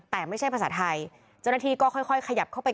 แต่ไม่ใช่ภาษาไทยเจ้าหน้าที่ก็ค่อยขยับเข้าไป